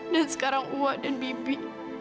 dan sekarang uwa dan bibi